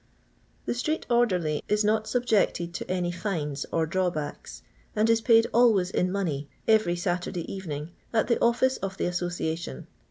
The street orderly is not subjected to any fines or drawbacks, and is paid always In Honey, every Saturday evening at the office of the AssocLition.